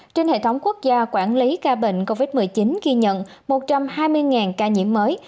trên hệ thống quốc gia quản lý ca bệnh covid một mươi chín ghi nhận một trăm hai mươi ca nhiễm mới